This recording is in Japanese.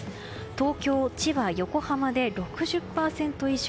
東京、千葉、横浜で６０％以上。